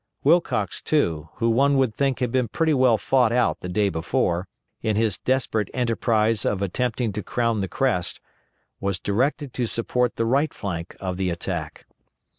Wilcox, too, who one would think had been pretty well fought out the day before, in his desperate enterprise of attempting to crown the crest, was directed to support the right flank of the attack.